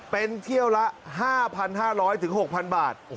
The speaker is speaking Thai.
เป็นเที่ยวละ๕๕๐๐บาทถึง๖๐๐๐บาท